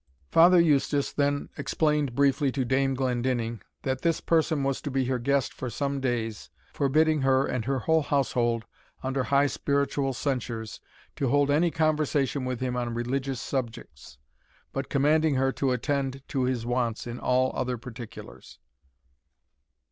Father Eustace then explained briefly to Dame Glendinning, that this person was to be her guest for some days, forbidding her and her whole household, under high spiritual censures, to hold any conversation with him on religious subjects, but commanding her to attend to his wants in all other particulars.